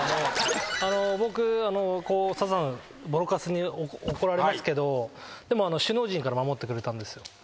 僕ボロカスに怒られますけどでも首脳陣から守ってくれたんですよ。